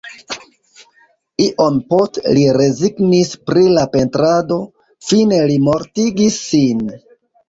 Iom poste li rezignis pri la pentrado, fine li mortigis sin.